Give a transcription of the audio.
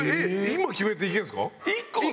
今決めていけんですか？